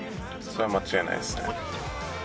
それは間違いないですね。